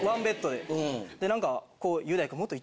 で何か。